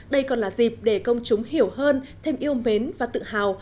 đây còn là dịp để công chúng hiểu hơn thêm yêu mến và tự hào